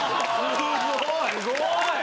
すごい！